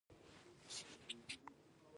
تر اوسه دې په یو شاتګ کې برخه اخیستې؟